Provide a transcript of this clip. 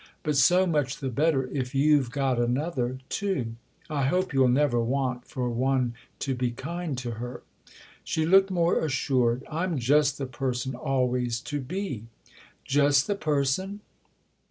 " But so much the better if you've got another too. I hope you'll never want for one to be kind to her." She looked more assured. " I'm just the person always to be." " Just the person